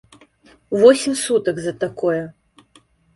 Восем сутак за такое.